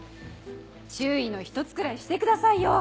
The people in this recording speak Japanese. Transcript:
注意の一つくらいしてくださいよ！